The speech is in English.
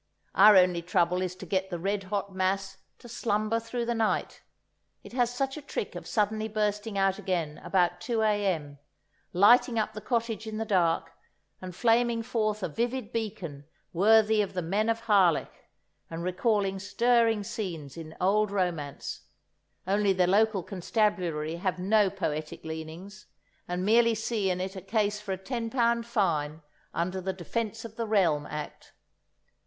Our only trouble is to get the red hot mass to slumber through the night; it has such a trick of suddenly bursting out again about 2 A.M., lighting up the cottage in the dark, and flaming forth a vivid beacon worthy of the men of Harlech, and recalling stirring scenes in old romance—only the local constabulary have no poetic leanings, and merely see in it a case for a £10 fine under the Defence of the Realm Act.